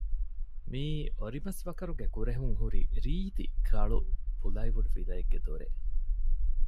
މިއީ އޮރިމަސްވަކަރުގެ ކުރެހުން ހުރި ރީތި ކަޅު ޕުލައިވުޑު ފިލައެއްގެ ދޮރެއް